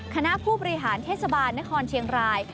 คณะผู้บริหารเทศบาลนครเชียงราย